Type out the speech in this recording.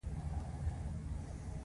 کرنه د اقتصاد بنسټ ګڼل کیږي.